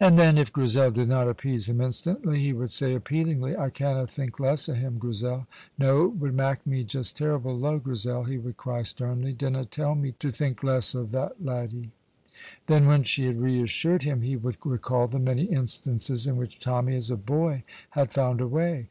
And then, if Grizel did not appease him instantly, he would say appealingly, "I canna think less o' him, Grizel; no, it would mak' me just terrible low. Grizel," he would cry sternly, "dinna tell me to think less o' that laddie." Then, when she had reassured him, he would recall the many instances in which Tommy as a boy had found a way.